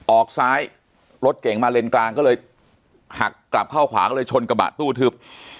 ออกซ้ายรถเก่งมาเลนกลางก็เลยหักกลับเข้าขวางเลยชนกระบะตู้ทึบ